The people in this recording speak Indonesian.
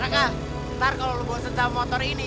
raka nanti kalau lu bawa senja motor ini